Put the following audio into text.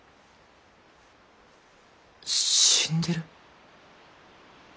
死んでる？